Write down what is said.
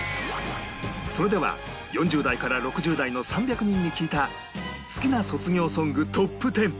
それでは４０代から６０代の３００人に聞いた好きな卒業ソングトップ１０